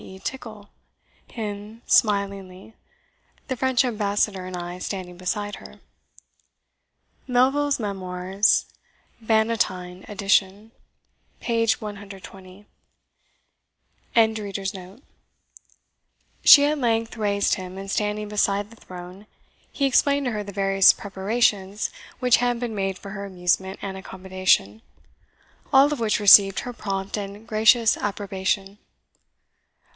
e., tickle) him, smilingly, the French Ambassador and I standing beside her." MELVILLE'S MEMOIRS, BANNATYNE EDITION, p. 120.] She at length raised him, and standing beside the throne, he explained to her the various preparations which had been made for her amusement and accommodation, all of which received her prompt and gracious approbation.